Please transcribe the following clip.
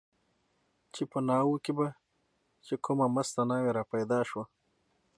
چې په ناوو کې به چې کومه مسته ناوې را پیدا شوه.